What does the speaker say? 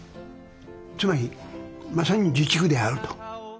つまりまさに自治区であると。